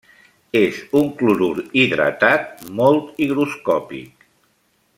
És un clorur hidratat molt higroscòpic.